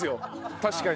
確かに。